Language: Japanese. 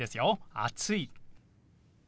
「暑い」。